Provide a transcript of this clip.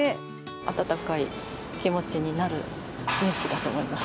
温かい気持ちになるニュースだと思います。